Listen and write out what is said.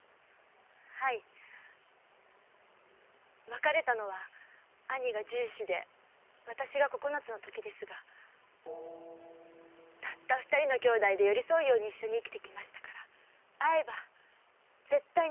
はい別れたのは兄が十四で私が九つのときですがたった二人の兄姉で寄り添うように一緒に生きてきましたから会えば絶対にわかるはずです。